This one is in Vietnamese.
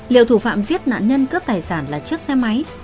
liệu thủ phạm giết nạn nhân cướp tài sản là chiếc xe máy